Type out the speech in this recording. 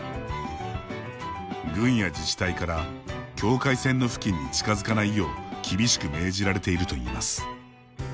軍や自治体から境界線の付近に近づかないよう厳しく命じられているといいます。